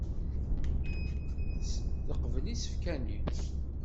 Teqbel isefka-nni.